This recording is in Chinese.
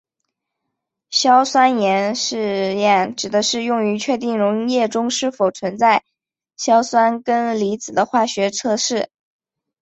硝酸盐试验指的是用于确定溶液中是否存在硝酸根离子的化学测试。